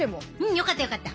よかったよかった。